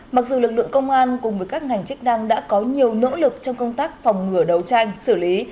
mặc dù lực lượng công an cùng với các ngành chức năng đã có nhiều nỗ lực trong công tác phòng ngừa đấu tranh xử lý